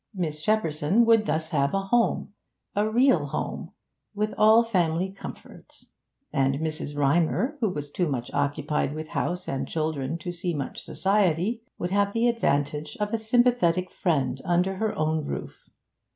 Miss Shepperson would thus have a home a real home with all family comforts, and Mrs. Rymer, who was too much occupied with house and children to see much society, would have the advantage of a sympathetic friend under her own roof.